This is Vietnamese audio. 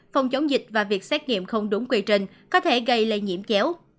phòng chống dịch và việc xét nghiệm không đúng quy trình có thể gây lây nhiễm chéo